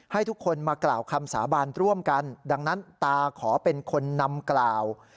ให้ทุกคนมากล่าวคำสาบานร่วมกันดังนั้นตาขอเป็นคนนำกล่าว